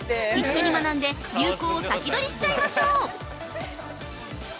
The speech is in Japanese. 一緒に学んで流行を先取りしちゃいましょう！